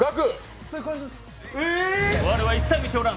我は一切見ておらん。